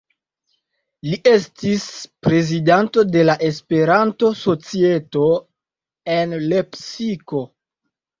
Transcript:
Li estis prezidanto de la Esperanto-Societo en Lepsiko.